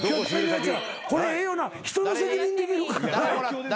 これええよな人の責任にできるからな。